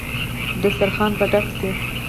دسترخان به ډک شي.